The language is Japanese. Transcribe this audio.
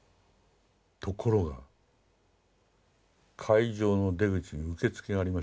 ところが会場の出口に受付がありましてね